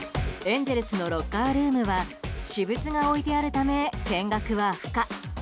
エンゼルスのロッカールームは私物が置いてあるため見学は不可。